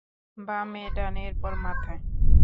বামে, ডানে, এরপর মাথায়।